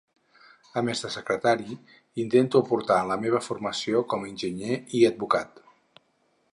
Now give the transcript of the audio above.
A més de secretari, intento aportar la meva formació com a enginyer i advocat.